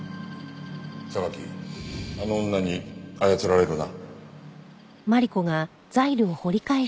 榊あの女に操られるな。